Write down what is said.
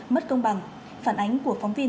mất công bằng phản ánh của phóng viên